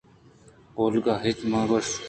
اولگا ءَہچ نہ گوٛشت